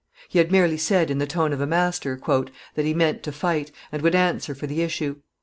He had merely said in the tone of a master "that he meant to fight, and would answer for the issue.